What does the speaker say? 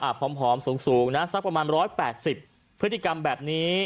ผอมสูงนะสักประมาณ๑๘๐พฤติกรรมแบบนี้